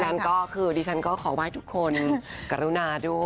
นั่นก็คือดิฉันก็ขอไหว้ทุกคนกรุณาด้วย